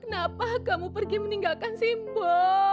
kenapa kamu pergi meninggalkan simbol